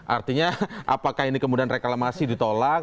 artinya apakah ini kemudian reklamasi ditolak